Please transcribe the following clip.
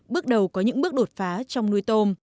bước đầu có những bước đột phá trong nuôi tôm